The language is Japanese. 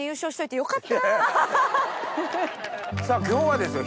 さぁ今日はですよ